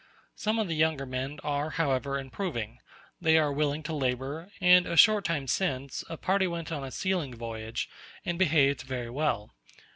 Some of the younger men are, however, improving; they are willing to labour, and a short time since a party went on a sealing voyage, and behaved very well.